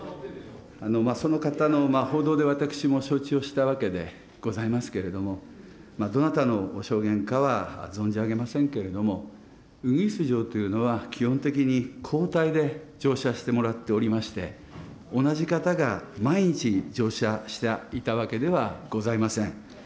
その方の報道で私も承知をしたわけでございますけれども、どなたのご証言かは存じ上げませんけれども、ウグイス嬢というのは基本的に交代で乗車してもらっておりまして、同じ方が毎日乗車していたわけではございません。